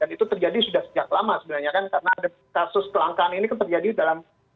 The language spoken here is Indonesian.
dan itu terjadi sudah sejak lama sebenarnya kan karena ada kasus kelangkaan ini terjadi dalam